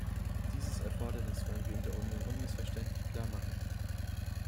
Dieses Erfordernis wollen wir in der Union unmissverständlich klar machen.